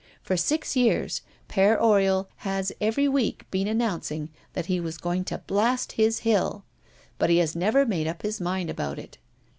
For six years, Père Oriol has every week been announcing that he was going to blast his hill; but he has never made up his mind about it.